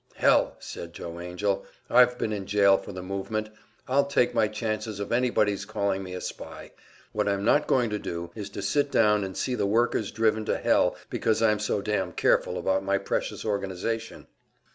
"Hell!" said Joe Angell. "I've been in jail for the movement, I'll take my chances of anybody's calling me a spy. What I'm not going to do is to sit down and see the workers driven to hell, because I'm so damn careful about my precious organization."